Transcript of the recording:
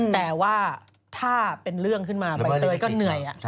แต่ว่าถ้าเป็นเรื่องขึ้นมาใบเตยก็เหนื่อย